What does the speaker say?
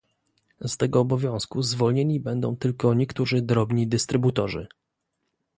Z tego obowiązku zwolnieni będą tylko niektórzy drobni dystrybutorzy